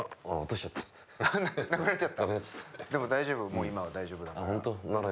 もう今は大丈夫だから。